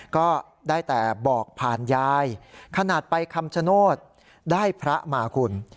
ก็ได้แต่บอกผ่านยายขนาดไปคำชโนธได้พระมาคุณ